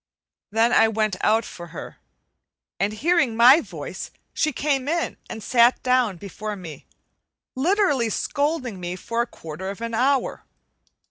Then I went out for her, and hearing my voice she came in and sat down before me, literally scolding me for a quarter of an hour.